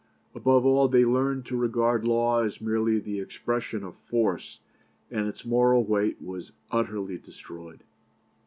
Above all, they learned to regard law as merely the expression of force, and its moral weight was utterly destroyed.